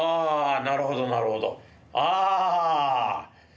なるほどなるほど。